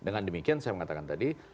dengan demikian saya mengatakan tadi